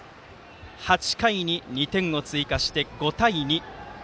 ８回に２点を追加して５対２。